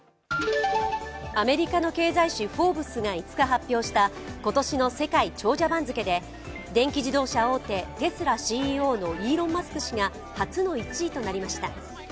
アメリカの経済誌「フォーブス」が５日発表した、今年の世界長者番付で電気自動車大手テスラＣＥＯのイーロン・マスク氏が初の１位となりました。